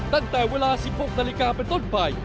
ตั้งแต่เวลา๑๖นเป็นต้นไป